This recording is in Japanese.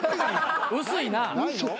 薄いな。